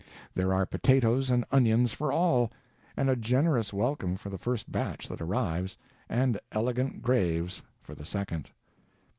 There are potatoes and onions for all, and a generous welcome for the first batch that arrives, and elegant graves for the second.